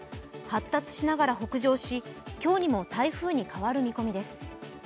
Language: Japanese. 発達しながら北上し今日にも台風に変わる見込みです。